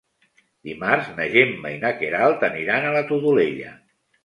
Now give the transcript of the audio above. Dimarts na Gemma i na Queralt aniran a la Todolella.